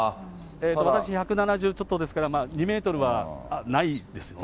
私、１７０ちょっとですから、２メートルはないですよね。